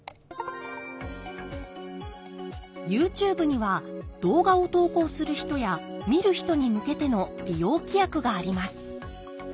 ＹｏｕＴｕｂｅには動画を投稿する人や見る人に向けての利用規約があります。